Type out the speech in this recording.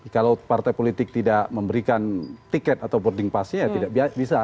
kalau partai politik tidak memberikan tiket atau boarding passnya ya tidak bisa